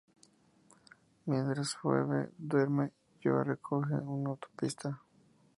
Mientras Phoebe duerme, Joey recoge un autoestopista.